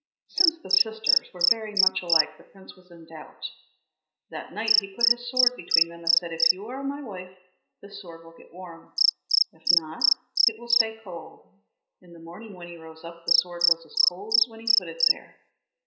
Since the sisters were very much alike, the prince was in doubt. That night he put his sword between them, and said: "If you are my wife, this sword will get warm; if not, it will stay cold." In the morning when he rose up, the sword was as cold as when he put it there.